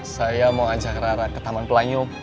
saya mau ajak rara ke taman pelanyu